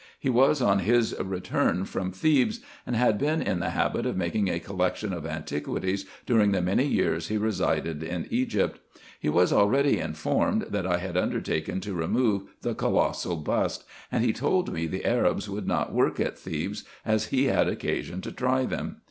He was on his return SO RESEARCHES AND OPERATIONS from Thebes, and had been in the habit of making a collection of antiquities during the many years he resided in Egypt. He was already informed, that I had undertaken to remove the colossal bust, and he told me the Arabs would not work at Thebes, as he had occasion to try them.